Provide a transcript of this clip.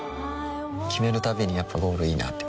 決めるたびにやっぱゴールいいなってふん